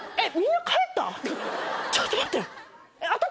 ちょっと待って。